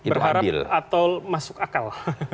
berharap atau masuk akal